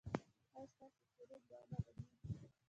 ایا ستاسو سرود به و نه غږیږي؟